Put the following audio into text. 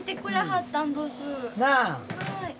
はい。